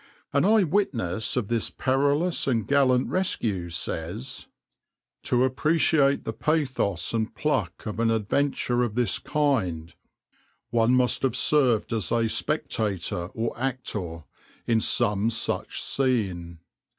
\par An eye witness of this perilous and gallant rescue says: \par "To appreciate the pathos and pluck of an adventure of this kind, one must have served as a spectator or actor in some such scene.